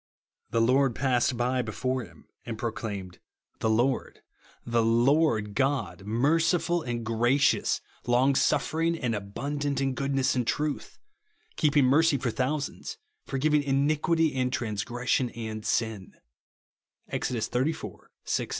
" The Lord passed by before liim, and proclaimed, the Lord, the Lord TRUTH OF THE GOSPEL. 8l God, nnerciful and gracious, long suffer ing, and abundant in goodness and truth, keeping mercy for thousands, forgiving iniquity, and transgression, and sin,'' (Exod xxxiv.